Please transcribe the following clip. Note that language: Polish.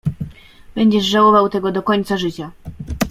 "Będziesz żałował tego do końca życia."